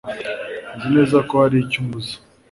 Nzi neza ko hari icyo ambuza